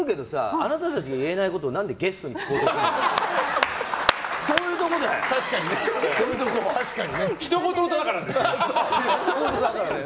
あなたたちが言えないことを何でゲストに聞こうとしているんだよ。